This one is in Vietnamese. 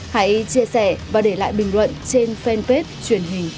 hãy chia sẻ và để lại bình luận trên fanpage truyền hình công an nhân dân